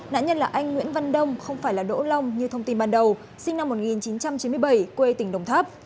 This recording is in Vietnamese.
nạn nhân là anh nguyễn văn đông không phải là đỗ long như thông tin ban đầu sinh năm một nghìn chín trăm chín mươi bảy quê tỉnh đồng tháp